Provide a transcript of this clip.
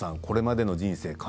これまでの人生